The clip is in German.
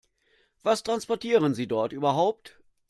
Was transportieren Sie dort überhaupt?